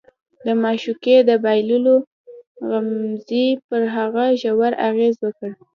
د معشوقې د بایللو غمېزې پر هغه ژور اغېز وکړ